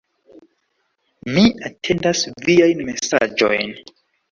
Mi atendas viajn mesaĝojn.